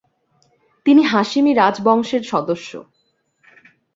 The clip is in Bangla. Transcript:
তিনি হাশেমি রাজবংশের সদস্য।